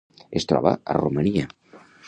Es troba a Romania.